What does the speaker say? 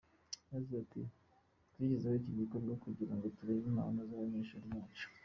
Yagize ati “Twashyizeho iki gikorwa kugira ngo turebe impano z’abanyeshuri bacu.